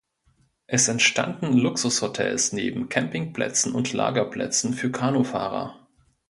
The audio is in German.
Es entstanden Luxushotels neben Campingplätzen und Lagerplätzen für Kanufahrer.